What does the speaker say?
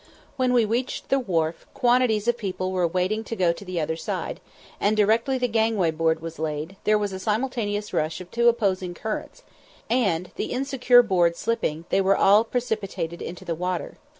When we reached the wharf, quantities of people were waiting to go to the other side; and directly the gangway board was laid, there was a simultaneous rush of two opposing currents, and, the insecure board slipping, they were all precipitated into the water.